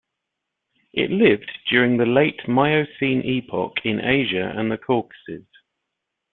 It lived during the late Miocene Epoch in Asia and the Caucasus.